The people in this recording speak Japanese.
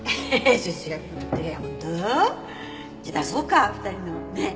じゃあ出そうか２人のねっ。